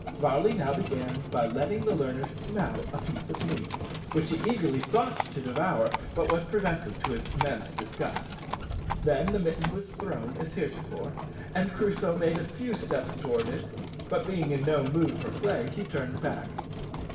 Varley now began by letting the learner smell a piece of meat, which he eagerly sought to devour, but was prevented, to his immense disgust. Then the mitten was thrown as heretofore, and Crusoe made a few steps towards it, but being in no mood for play he turned back.